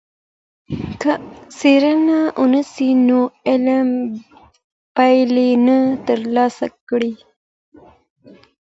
که څېړنه ونسي، نو علمي پايلې نه ترلاسه کيږي.